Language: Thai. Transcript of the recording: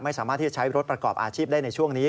ไม่สามารถที่จะใช้รถประกอบอาชีพได้ในช่วงนี้